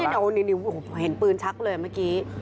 นี่เอาละนี่เห็นปืนชักเลยเมื่อกี้